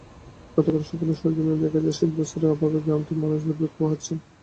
গতকাল সকালে সরেজমিনে দেখা যায়, শীতবস্ত্রের অভাবে গ্রামটির মানুষ দুর্ভোগ পোহাচ্ছেন।